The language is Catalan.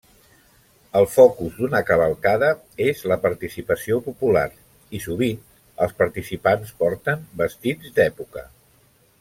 El focus d'una cavalcada és la participació popular i sovint els participants porten vestits d'època.